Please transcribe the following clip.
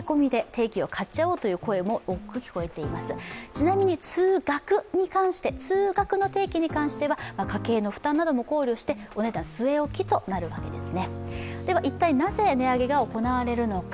ちなみに通学の定期に関しては家計の負担も考慮してお値段、据え置きとなるそうです。